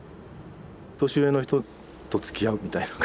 年上の人とつきあうみたいな感じで。